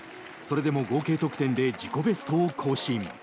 それでも合計得点で自己ベストを更新。